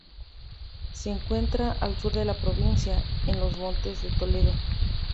Se encuentra al sur de la provincia, en los Montes de Toledo.